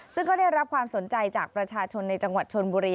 ซึ่งก็ได้รับความสนใจจากประชาชนในจังหวัดชนบุรี